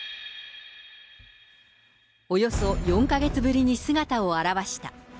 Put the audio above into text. およそ４か月ぶりに姿を現した。